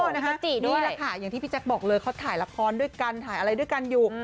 นี่แหละค่ะอย่างที่พี่แจ๊คบอกเลยเขาถ่ายละครด้วยกันถ่ายอะไรด้วยกันอยู่